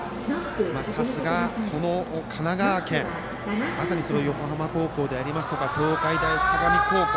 さすが神奈川県まさに横浜高校でありますとか東海大相模高校。